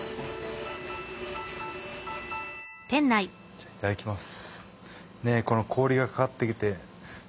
じゃいただきます。